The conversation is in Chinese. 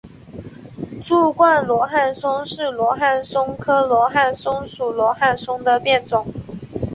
柱冠罗汉松是罗汉松科罗汉松属罗汉松的变种。